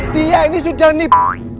dia ini sudah nip